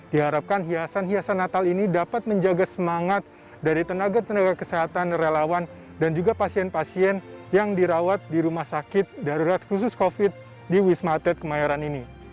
diharapkan hiasan hiasan natal ini dapat menjaga semangat dari tenaga tenaga kesehatan relawan dan juga pasien pasien yang dirawat di rumah sakit darurat khusus covid di wisma atlet kemayoran ini